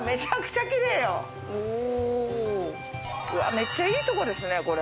めっちゃいいとこですねこれ。